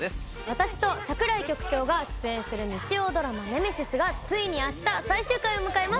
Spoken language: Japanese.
私と櫻井局長が出演する日曜ドラマ『ネメシス』がついに明日最終回を迎えます！